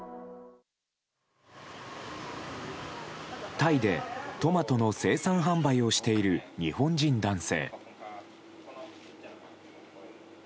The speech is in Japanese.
タイでトマトの生産・販売をしている日本人男性。